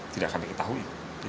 tidak kami ketahui